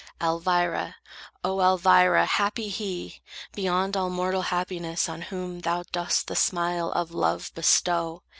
"Elvira, O Elvira, happy he, Beyond all mortal happiness, on whom Thou dost the smile of love bestow!